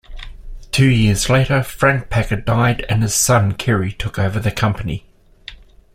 Two years later, Frank Packer died, and his son Kerry took over the company.